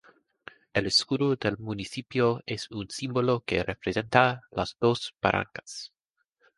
El escudo del municipio es un símbolo que representa las dos barrancas.